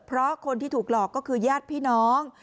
เพราะคนที่ถูกหลอกก็คือญาติพี่น้อง